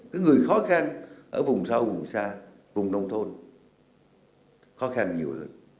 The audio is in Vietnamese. cái người khó khăn ở vùng sâu vùng xa vùng nông thôn khó khăn nhiều hơn